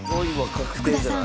福田さん